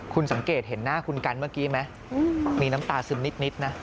คุณสังเกตเห็นหน้าคุณกันเมื่อกี้ไหมมีน้ำตาซึมนิดนะ